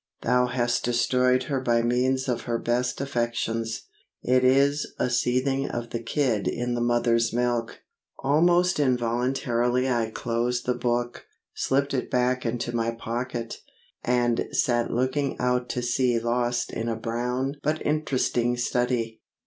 Thou hast destroyed her by means of her best affections it is a seething of the kid in the mother's milk."' Almost involuntarily I closed the book, slipped it back into my pocket, and sat looking out to sea lost in a brown but interesting study.